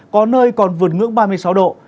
có nơi còn vượt ngưỡng ba mươi sáu độ